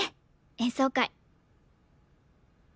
演奏会。